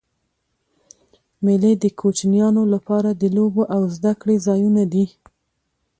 مېلې د کوچنيانو له پاره د لوبو او زدهکړي ځایونه دي.